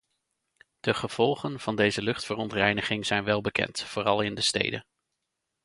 De gevolgen van deze luchtverontreiniging zijn welbekend, vooral in de steden.